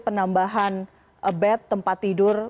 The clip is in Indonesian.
penambahan bed tempat tidur